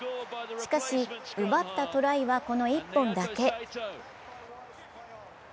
しかし、奪ったトライはこの１本だけ。